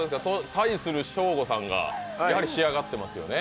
対するショーゴさんがやはり仕上がってますよね。